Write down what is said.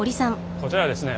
こちらはですね